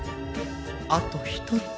あと一つ。